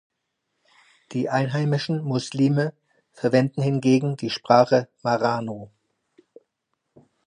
Die einheimischen Muslime verwenden hingegen die Sprache Marano.